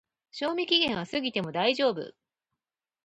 賞味期限は過ぎても大丈夫